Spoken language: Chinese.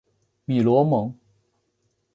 米罗蒙。